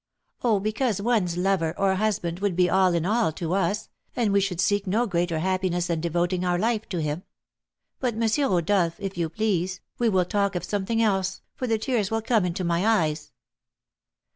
"Oh, because one's lover, or husband, would be all in all to us, and we should seek no greater happiness than devoting our life to him. But, M. Rodolph, if you please, we will talk of something else, for the tears will come into my eyes."